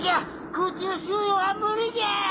空中収容は無理じゃ！